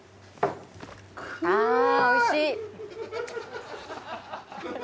あおいしい。